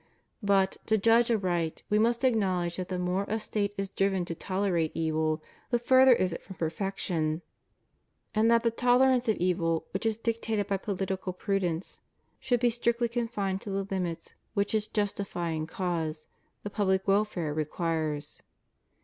But, to judge aright, we must acknowledge that the more a State is driven to tolerate evil the further is it from perfection; and that the tolerance of evil which is dictated by political pru dence should be strictly confined to the limits which its justifying cause, the public welfare, requires.